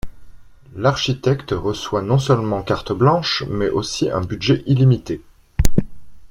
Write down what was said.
L'architecte reçoit non seulement carte blanche, mais aussi un budget illimité.